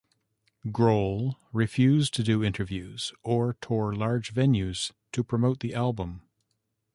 Grohl refused to do interviews or tour large venues to promote the album.